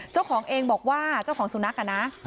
เจ้าของเองบอกว่าเจ้าของสุนัขอ่ะนะ